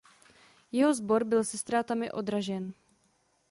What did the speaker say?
Jeho sbor byl se ztrátami odražen.